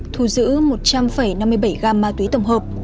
thu giữ một trăm năm mươi bảy gam ma túy tổng hợp